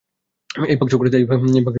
এই বাক্সগুলাতে আছে কী?